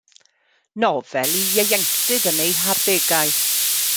Nofel i ieuenctid yn eu harddegau.